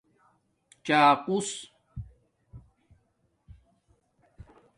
چاقݸس